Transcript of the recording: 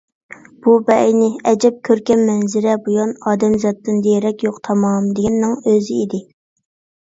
بۇ بەئەينى، ئەجەب كۆركەم مەنزىرە بۇيان، ئادەمزاتتىن دېرەك يوق تامام، دېگەننىڭ ئۆزى ئىدى.